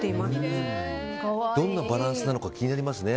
どんなバランスなのか気になりますね。